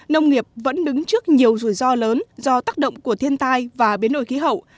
nông nghiệp vẫn đứng trước nhiều rủi ro lớn do tác động của thiên tai và biến đổi khí hậu